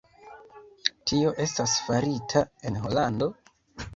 Tio estas farita en Holando.